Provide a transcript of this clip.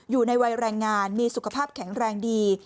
อยู่ในวัยแรงงานมีสุขภาพแข็งแรงดี